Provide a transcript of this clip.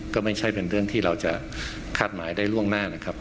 ก็ไม่ใช่เป็นเรื่องที่เราจะคาดหมายได้ล่วงหน้านะครับ